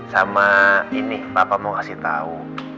sama ini papa mau kasih tahu